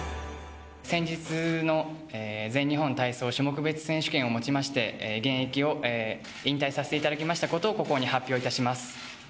先日の全日本体操種目別選手権をもちまして、現役を引退させていただきましたことをここに発表いたします。